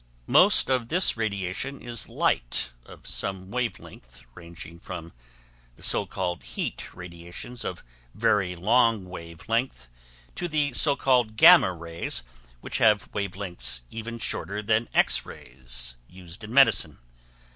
Most of this radiation is "light" of some wave length ranging from the so called heat radiations of very long wave length to the so called gamma rays which have wave lengths even shorter than the X rays used in medicine.